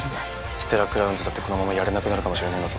ステラクラウンズだってこのままやれなくなるかもしれねぇんだぞ。